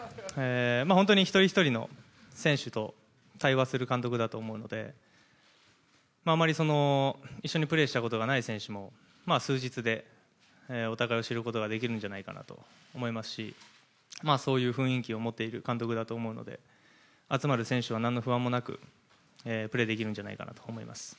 本当に一人ひとりの選手と対話する監督だと思うのであまり一緒にプレーしたことがない選手も数日でお互いを知ることができるんじゃないかと思いますしそういう雰囲気を持っている監督だと思うので集まる選手は何の不安もなくプレーできるんじゃないかなと思います。